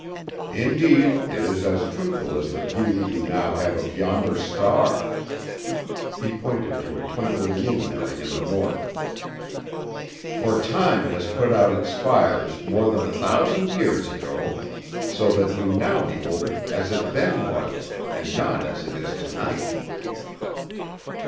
Indeed, it is as truthful as the view you now have of yonder star," he pointed to a twinkling luminary in the north; "for time has put out its fires more than a thousand years ago, so that you now behold it as it then was, and not as it is to night."